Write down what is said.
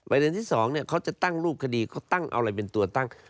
อันประเด็นที่สองเนี่ยเค้าจะตั้งลูกคดีเค้าตั้งเอาอะไรเป็นตัวตั้ง